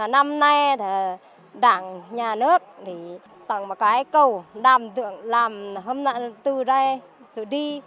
năm nay thì đảng nhà nước tặng một cái cầu làm từ đây rồi đi